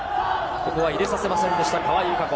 ここは入れさせませんでした、川井友香子。